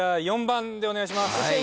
４番でお願いします。